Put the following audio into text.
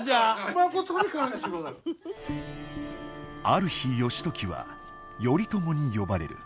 ある日義時は頼朝に呼ばれる。